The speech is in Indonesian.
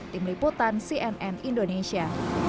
tim liputan cnn indonesia